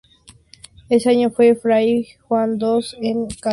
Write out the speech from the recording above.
Ese año tuvo fray Juan dos encargos.